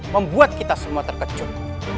membuat kita semua terkejut